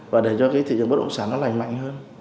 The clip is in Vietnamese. và để cho cái thị trường bất động sản nó lành mạnh hơn